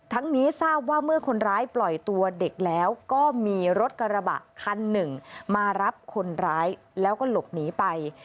นี้ทราบว่าเมื่อคนร้ายปล่อยตัวเด็กแล้วก็มีรถกระบะคันหนึ่งมารับคนร้ายแล้วก็หลบหนีไป